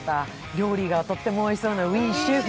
料理がとってもおいしそうな「ウィ、シェフ！」